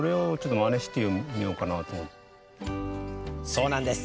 そうなんです。